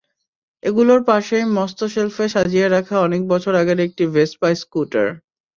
এগুলোর পাশেই মস্ত শেলফে সাজিয়ে রাখা অনেক বছর আগের একটি ভেসপা স্কুটার।